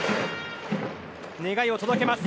願いを届けます。